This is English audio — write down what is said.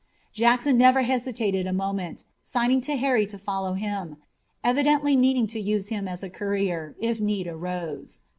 Jackson never hesitated a moment, signing to Harry to follow him, evidently meaning to use him as a courier, if need arose.